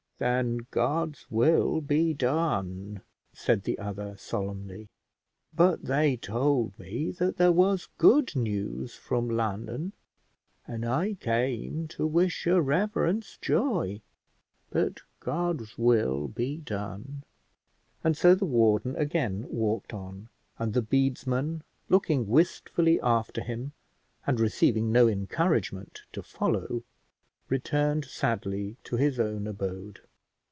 "Then God's will be done," said the other solemnly; "but they told me that there was good news from London, and I came to wish your reverence joy; but God's will be done;" and so the warden again walked on, and the bedesman, looking wistfully after him and receiving no encouragement to follow, returned sadly to his own abode.